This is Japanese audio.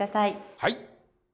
はい。